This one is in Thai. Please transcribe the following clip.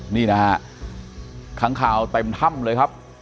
นี่นะฮะค้างคาวเต็มถ้ำเลยครับ